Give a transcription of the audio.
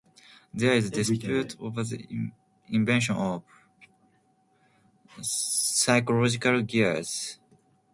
There is some dispute over the invention of cycloidal gears.